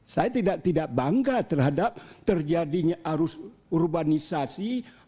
saya tidak bangga terhadap terjadinya arus urbanisasi